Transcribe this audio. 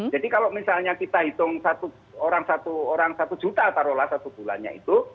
jadi kalau misalnya kita hitung orang rp satu taruhlah satu bulannya itu